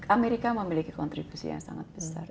amerika memiliki kontribusi yang sangat besar